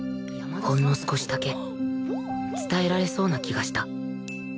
ほんの少しだけ伝えられそうな気がした